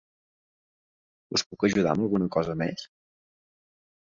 Us puc ajudar amb alguna cosa més?